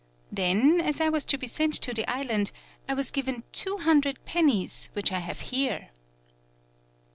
Then, as I was to be sent to the island, I was given two hundred pennies which I have here."